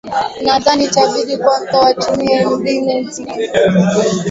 nadhani itabidi kwanza watumie mbinu zingine